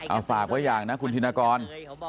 เอาฝากไว้อย่างนะคุณธินกร